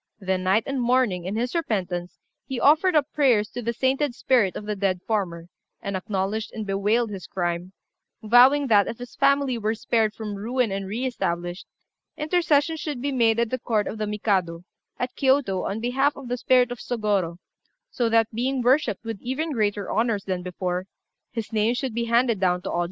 Then night and morning, in his repentance, he offered up prayers to the sainted spirit of the dead farmer, and acknowledged and bewailed his crime, vowing that, if his family were spared from ruin and re established, intercession should be made at the court of the Mikado, at Kiyôto, on behalf of the spirit of Sôgorô, so that, being worshipped with even greater honours than before, his name should be handed down to all generations.